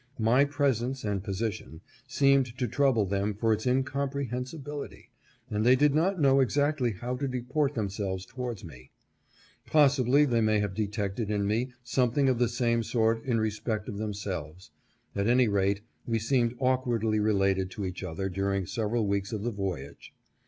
My presence and position seemed to trouble them for its incomprehensibility, and they did not know exactly how to deport themselves towards me. Possibly they may have detected in me something of the same sort in respect of themselves ; at any rate, we seemed awkwardly related to each other during several weeks of the voyage.